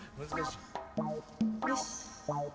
よし。